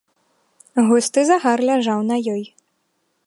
Густы загар ляжаў на ёй.